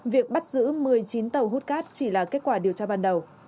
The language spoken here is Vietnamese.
việc bắt giữ một mươi chín tàu hút cát chỉ là kết quả điều tra ban đầu